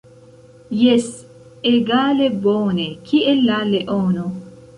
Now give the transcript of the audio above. Jes, egale bone kiel la leono.